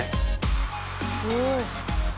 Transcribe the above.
すごい。